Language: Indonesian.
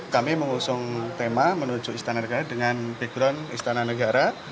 kami mengusung tema menuju istana negara dengan background istana negara